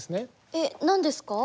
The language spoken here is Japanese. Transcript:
えっ何ですか？